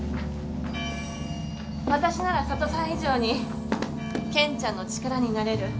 私なら佐都さん以上に健ちゃんの力になれる。